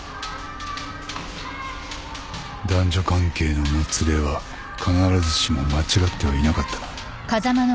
男女関係のもつれは必ずしも間違ってはいなかったな。